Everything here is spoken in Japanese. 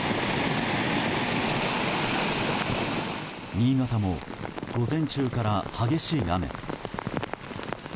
新潟も、午前中から激しい雨。